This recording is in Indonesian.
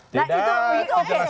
tidak itu uu